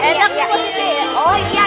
enak tuh pasti ya